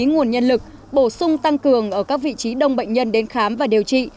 nguồn nhân lực bổ sung tăng cường ở các vị trí đông bệnh nhân đến khám và điều trị